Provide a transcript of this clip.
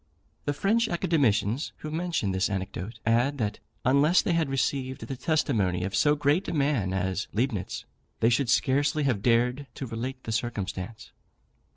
The French Academicians who mention this anecdote, add, that unless they had received the testimony of so great a man as Leibnitz, they should scarcely have dared to relate the circumstance.